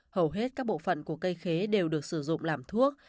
hầu hết các bộ phận của cây khế đều được sử dụng làm thuốc